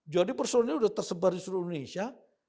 jadi personil sudah tersebar di seluruh indonesia